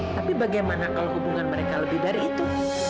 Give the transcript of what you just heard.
tapi bagaimana kalau hubungan mereka lebih dari itu